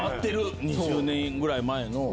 ２０年ぐらい前の。